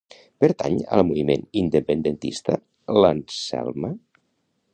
Pertany al moviment independentista l'Anselma?